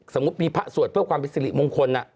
สมมุติมีพระสวดเพื่อความเป็นสิริมงคล